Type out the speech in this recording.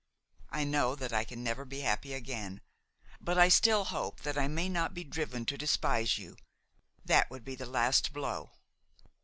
I know that I can never be happy again; but I still hope that I may not be driven to despise you; that would be the last blow.